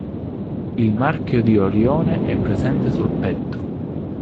Il marchio di Orione è presente sul petto.